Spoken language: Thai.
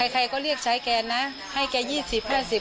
ใครก็เรียกใช้แกน่ะให้แกยี่สิบห้าสิบ